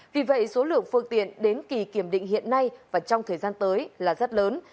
vì vậy số lượng phương tiện đến kỳ kiểm định hiện nay và trong thời gian tới là rất lớn